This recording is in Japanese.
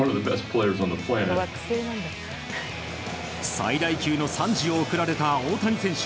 最大級の賛辞を送られた大谷選手。